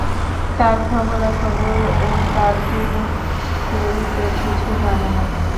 তাঁর খবরাখবর ও তাঁর জীবন-চরিতের কিছু জানে না?